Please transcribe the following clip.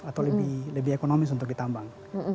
atau lebih ekonomis untuk ditambang